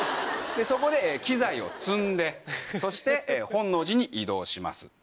そこで機材を積んでそして本能寺に移動します。